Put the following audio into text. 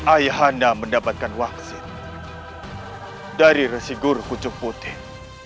ayah anda mendapatkan waksin dari resi guru kucung putih